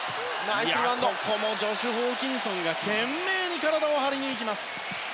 ここもジョシュ・ホーキンソンが懸命に体を張りに行きました。